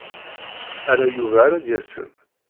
Ala Yuba ara d-yasen.